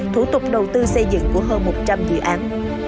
thủ tục đầu tư xây dựng của hơn một trăm linh dự án